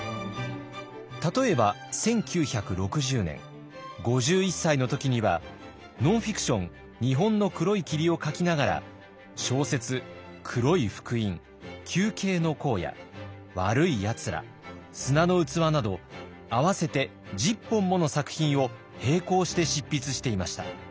例えば１９６０年５１歳の時にはノンフィクション「日本の黒い霧」を書きながら小説「黒い福音」「球形の荒野」「わるいやつら」「砂の器」など合わせて１０本もの作品を並行して執筆していました。